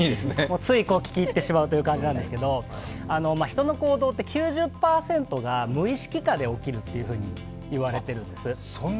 つい聞き入ってしまうという感じなんですけど、人の行動って、９０％が無意識下で起きると言われているんです。